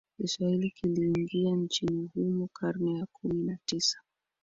Kiswahili kiliingia nchini humo karne ya kumi na tisa